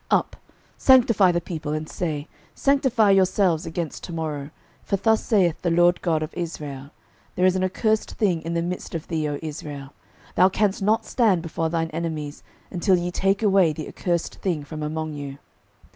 06:007:013 Up, sanctify the people, and say, Sanctify yourselves against to morrow: for thus saith the LORD God of Israel, There is an accursed thing in the midst of thee, O Israel: thou canst not stand before thine enemies, until ye take away the accursed thing from among you.